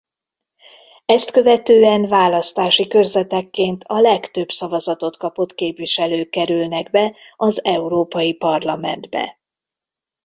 Ezt követően választási körzetekként a legtöbb szavazatot kapott képviselők kerülnek be az Európai parlamentbe.